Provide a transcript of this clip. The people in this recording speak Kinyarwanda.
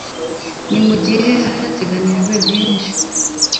mu gihe hari hateganijwe byinshi